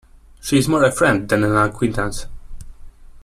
She is more a friend than an acquaintance.